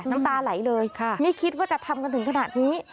น้ำตาไหลเลยไม่คิดว่าจะทำกันถึงขนาดนี้